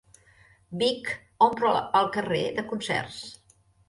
Vic omple el carrer de concerts